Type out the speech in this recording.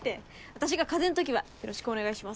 私が風邪のときはよろしくお願いします。